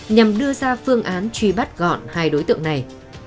nhằm đưa ra phương án truy bắt gọn hai đối tượng này